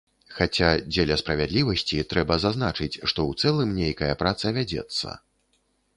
Хаця, дзеля справядлівасці, трэба зазначыць, што ў цэлым нейкая праца вядзецца.